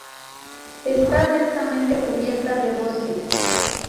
Está densamente cubierta de bosques.